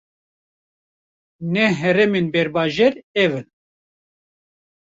Neh heremên berbajar, ev in: